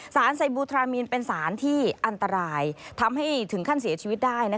ไซบูทรามีนเป็นสารที่อันตรายทำให้ถึงขั้นเสียชีวิตได้